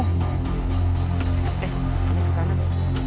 eh ini ke kanan